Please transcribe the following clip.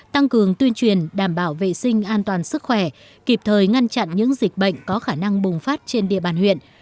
tăng cường tuyên truyền đảm bảo vệ sinh an toàn sức khỏe kịp thời ngăn chặn những dịch bệnh có khả năng bùng phát trên địa bàn huyện